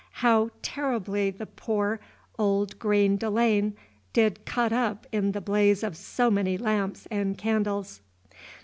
How terribly the poor old green de laine did cut up in the blaze of so many lamps and candles.